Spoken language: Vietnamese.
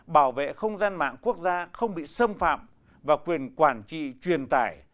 bảo vệ không gian mạng quốc gia không bị xâm phạm và quyền quản trị truyền tải